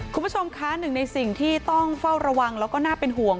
คุณผู้ชมคะหนึ่งในสิ่งที่ต้องเฝ้าระวังแล้วก็น่าเป็นห่วง